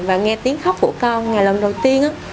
và nghe tiếng khóc của con ngày lần đầu tiên